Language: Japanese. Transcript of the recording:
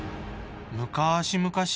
むかしむかし